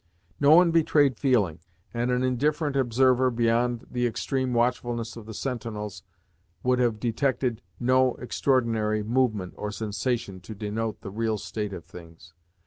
No one betrayed feeling, and an indifferent observer, beyond the extreme watchfulness of the sentinels, would have detected no extraordinary movement or sensation to denote the real state of things.